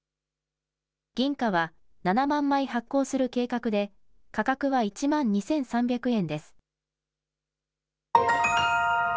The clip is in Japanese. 銀貨は７万枚発行する計画で、価格は１万２３００円です。